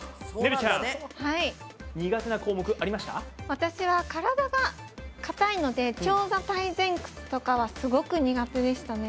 私は体が硬いので長座体前屈とかはすごく苦手でしたね。